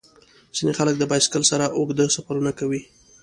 ځینې خلک د بایسکل سره اوږده سفرونه کوي.